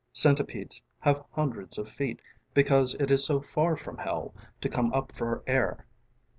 ┬Ā┬ĀCentipedes ┬Ā┬Āhave hundreds of feet ┬Ā┬Ābecause it is so far from hell ┬Ā┬Āto come up for air.